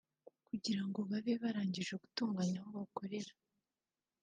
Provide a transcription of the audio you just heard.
kugira ngo babe barangije gutunganya aho bakorera